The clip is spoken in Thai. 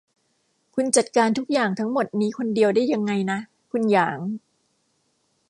คุณจัดการทุกอย่างทั้งหมดนี้คนเดียวได้ยังไงนะ คุณหยาง